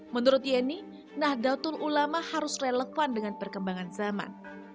menurut yeni nahdlatul ulama harus relevan dengan perkembangan zaman